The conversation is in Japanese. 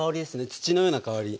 土のような香り。